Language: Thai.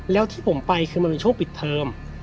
แล้วที่ผมไปคือมันเป็นช่วงปิดเทอม